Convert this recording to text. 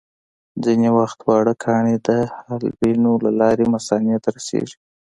ځینې وخت واړه کاڼي د حالبینو له لارې مثانې ته رسېږي.